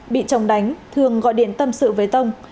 bị chồng đánh thường gọi điện tâm sự với tông